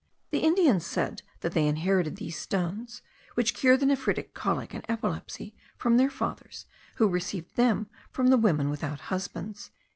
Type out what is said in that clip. The Indians said that they inherited these stones, which cure the nephritic colic and epilepsy, from their fathers, who received them from the women without husbands.)